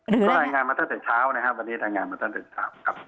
ก็รายงานมาตั้งแต่เช้านะครับวันนี้รายงานมาตั้งแต่เช้าครับ